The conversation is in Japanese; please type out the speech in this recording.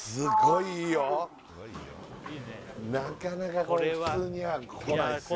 なかなかこう普通には来ないっすよ